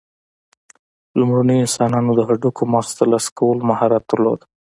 لومړنیو انسانانو د هډوکو مغز ترلاسه کولو مهارت درلود.